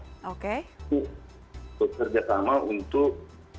untuk bekerja sama untuk